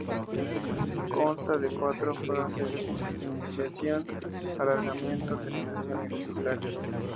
Consta de cuatro fases: iniciación, alargamiento, terminación y reciclaje.